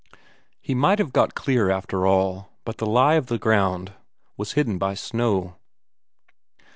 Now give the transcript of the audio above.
He might have got clear after all, but the lie of the ground was hidden by snow.